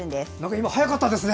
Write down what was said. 今、早かったですね。